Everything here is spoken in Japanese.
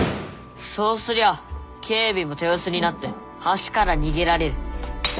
そうすりゃ警備も手薄になって橋から逃げられる。